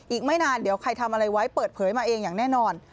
อีกไม่นานเดี๋ยวใครทำอะไรไว้เปิดเผยมาเองอย่างแน่นอน